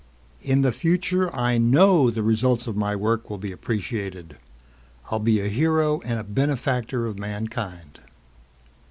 In the future I know the results of my work will be appreciated. I'll be a hero and benefactor of mankind."